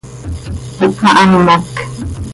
Ihpmahamoc.